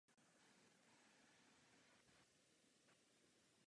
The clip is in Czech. Vzhledem k občanské válce bylo dokončeno pouze pět letounů.